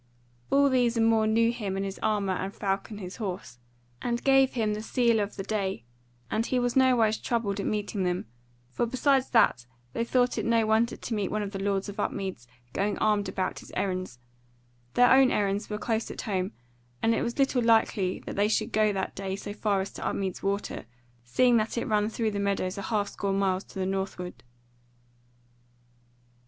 All these and more knew him and his armour and Falcon his horse, and gave him the sele of the day, and he was nowise troubled at meeting them; for besides that they thought it no wonder to meet one of the lords of Upmeads going armed about his errands, their own errands were close at home, and it was little likely that they should go that day so far as to Upmeads Water, seeing that it ran through the meadows a half score miles to the north ward.